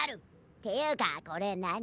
っていうかこれなに？